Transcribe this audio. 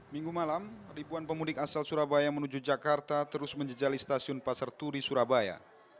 minggu malam ribuan pemudik asal surabaya menuju jakarta terus menjejali stasiun pasar turi surabaya